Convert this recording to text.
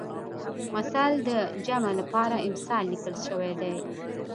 مثل د جمع لپاره امثال لیکل شوی دی